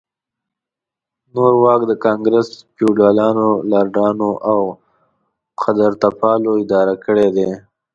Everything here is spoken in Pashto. نور واک د ګانګرس فیوډالانو، لارډانو او قدرتپالو اداره کړی دی.